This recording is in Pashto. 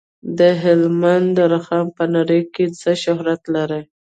د هلمند رخام په نړۍ کې څه شهرت لري؟